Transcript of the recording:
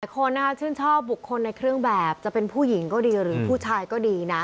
คนนะคะชื่นชอบบุคคลในเครื่องแบบจะเป็นผู้หญิงก็ดีหรือผู้ชายก็ดีนะ